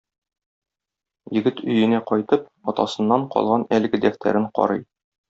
Егет өенә кайтып, атасыннан калган әлеге дәфтәрен карый.